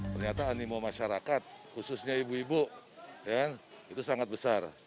ternyata animo masyarakat khususnya ibu ibu itu sangat besar